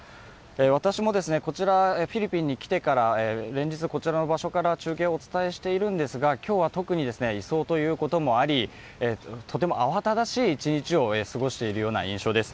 私もこちら、フィリピンに来てから連日こちらの場所から中継をお伝えしているんですが今日は特に移送ということもありとても慌ただしい一日を過ごしているような印象です。